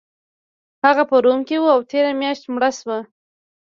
هغه په روم کې و او تیره میاشت مړ شو